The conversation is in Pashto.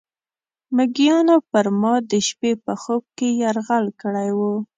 میږیانو پر ما د شپې په خوب کې یرغل کړی و.